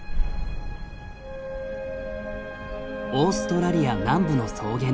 オーストラリア南部の草原。